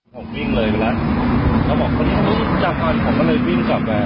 ผมวิ่งเลยไปแล้วแล้วบอกว่าจากวันผมก็เลยวิ่งกลับแล้ว